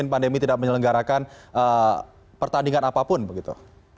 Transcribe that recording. pandemi tidak menyelenggarakan pertandingan apapun begitu